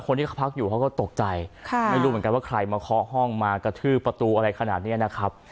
คนที่เขาพักอยู่เขาก็ตกใจค่ะไม่รู้เหมือนกันว่าใครมาเคาะห้องมากระทืบประตูอะไรขนาดเนี้ยนะครับ